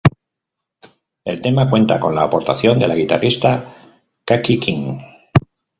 El tema cuenta con la aportación de la guitarrista Kaki King.